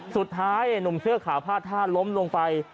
สุดท้ายหนุ่มเสื้อขาวพลาดท่าล้มลงไป